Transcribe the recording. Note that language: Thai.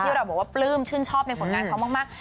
เราบอกว่าปลื้มชื่นชอบในผลงานเขามาก